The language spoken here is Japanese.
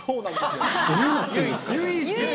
どうなってるんですかね。